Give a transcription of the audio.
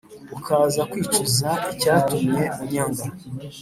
ukaza kwicuza icyatumye unyanga,